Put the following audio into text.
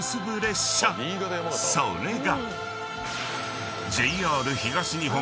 ［それが］